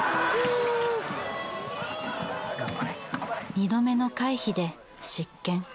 ２度目の回避で失権。